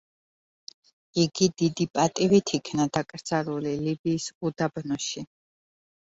იგი დიდი პატივით იქნა დაკრძალული ლიბიის უდაბნოში.